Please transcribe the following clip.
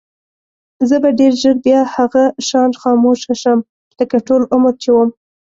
زه به ډېر ژر بیا هغه شان خاموشه شم لکه ټول عمر چې وم.